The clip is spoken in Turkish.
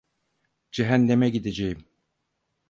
Cehenneme gideceğim.